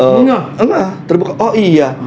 engah engah terbuka oh iya